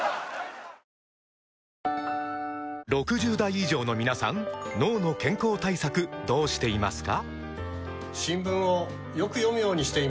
６０代以上の皆さん脳の健康対策どうしていますか？